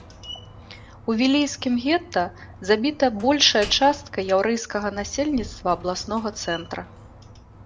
У вілейскім гета забітая большая частка яўрэйскага насельніцтва абласнога цэнтра.